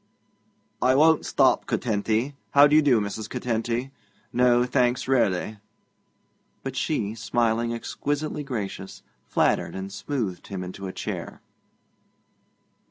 'I won't stop, Curtenty. How d'ye do, Mrs. Curtenty? No, thanks, really ' But she, smiling, exquisitely gracious, flattered and smoothed him into a chair.